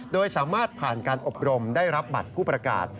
โดยสามารถผ่านการอบรมได้รับบัตรผู้ประกาศ